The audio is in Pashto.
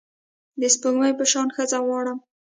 د سپوږمۍ په شان ښځه غواړم